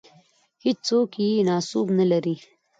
هېڅوک یې ناسوب نه لري.